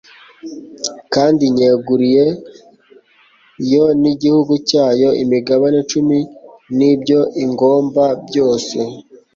kandi nyeguriye yo n'igihugu cyayo, imigabane cumi n'ibyo ingomba byose